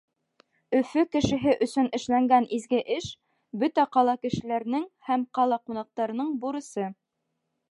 Өфө кешеһе өсөн эшләнгән изге эш — бөтә ҡала кешеләренең һәм ҡала ҡунаҡтарының бурысы.